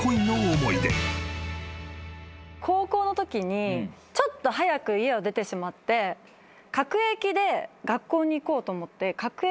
高校のときにちょっと早く家を出てしまって各駅で学校に行こうと思って各駅に乗ったんです。